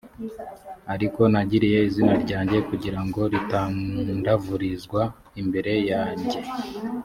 ariko nagiriye izina ryanjye kugira ngo ritandavurizwa imbere yanjye